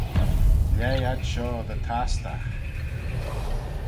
Lhaih ad shoh dy tastagh.